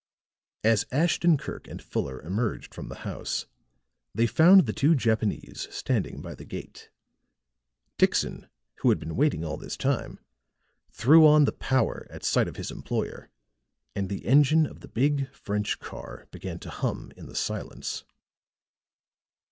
As Ashton Kirk and Fuller emerged from the house, they found the two Japanese standing by the gate. Dixon, who had been waiting all this time, threw on the power at sight of his employer, and the engine of the big French car began to hum in the silence.